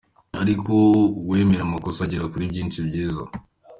ariko uwemera amakosa agera kuri byinshi byiza.